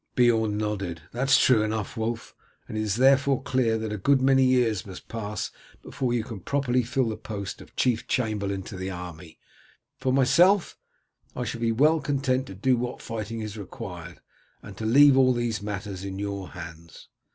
Beorn nodded. "That is true enough, Wulf, and it is therefore clear that a good many years must pass before you can properly fill the post of chief chamberlain to the army. For myself, I shall be well content to do what fighting is required, and to leave all these matters in your hands."